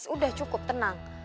udah cukup tenang